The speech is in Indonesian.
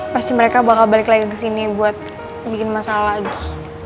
pasti mereka bakal balik lagi kesini buat bikin masalah lagi